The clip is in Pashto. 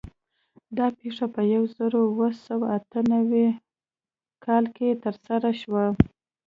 دا پېښه په یو زرو اوه سوه اته نوي م کال کې ترسره شوه.